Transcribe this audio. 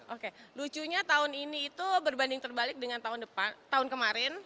oke lucunya tahun ini itu berbanding terbalik dengan tahun kemarin